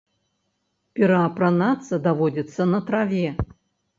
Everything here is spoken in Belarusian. Пераапранацца даводзіцца на траве.